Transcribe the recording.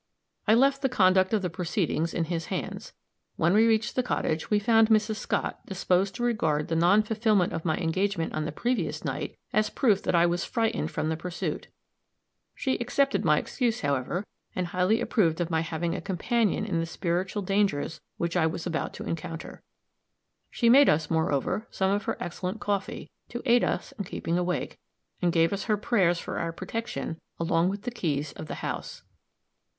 I left the conduct of the proceedings in his hands. When we reached the cottage, we found Mrs. Scott disposed to regard the non fulfillment of my engagement on the previous night as proof that I was frightened from the pursuit; she accepted my excuse, however, and highly approved of my having a companion in the spiritual dangers which I was about to encounter. She made us, moreover, some of her excellent coffee, to aid us in keeping awake, and gave us her prayers for our protection along with the keys of the house.